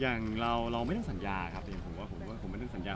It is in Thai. อย่างเราเราไม่ได้สัญญาครับแต่อย่างผมว่าผมไม่ได้สัญญา